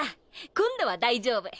今度は大丈夫。